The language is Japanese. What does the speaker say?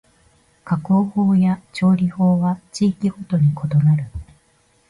加工法や調理法は地域ごとに異なる